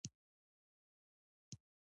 د لیوکوپلاسیا د پوستې سپینېږي.